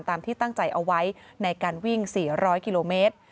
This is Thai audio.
ตามที่ตั้งใจเอาไว้ในการวิ่ง๔๐๐กิโลเมตร